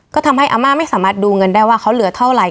ก็ทำให้อาม่าไม่สามารถดูเงินได้ว่าเขาเหลือเท่าไหร